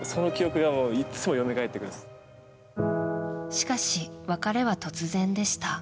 しかし、別れは突然でした。